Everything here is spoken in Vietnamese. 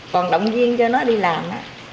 còn động viên cho nó đi làm